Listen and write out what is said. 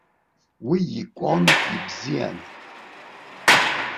Уи икәон ибзиан.